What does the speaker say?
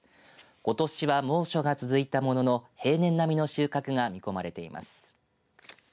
ことしは猛暑が続いたものの平年並みの収穫が見込まれています。